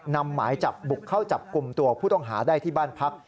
หมายจับบุกเข้าจับกลุ่มตัวผู้ต้องหาได้ที่บ้านพัก